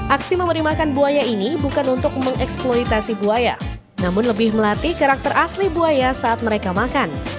aksi memberi makan buaya ini bukan untuk mengeksploitasi buaya namun lebih melatih karakter asli buaya saat mereka makan